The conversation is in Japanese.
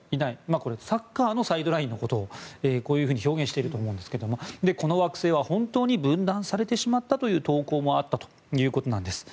これ、サッカーのサイドラインのことをこういうふうに表現していると思うんですがこの惑星は本当に分断されてしまったという投稿もあったということです。